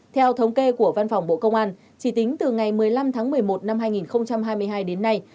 theo thống kê của văn phòng bộ công an chỉ tính từ ngày một mươi năm tháng một mươi một năm hai nghìn hai mươi hai đến nay